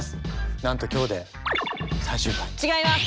なんと今日で違います！